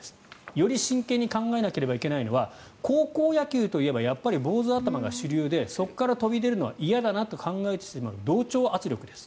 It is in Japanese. より真剣に考えなきゃいけないのは高校野球といえば坊主頭が主流でそこから飛び出るのは嫌だなと考えてしまう同調圧力です。